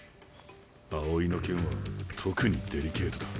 青井の件は特にデリケートだ。